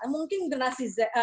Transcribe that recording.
mungkin generasi jasa